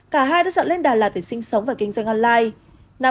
cả hai đã dựng lên đà lạt để sinh sống và kinh doanh online